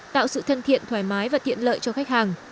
tạo sự thân thiện thoải mái và tiện lợi cho khách hàng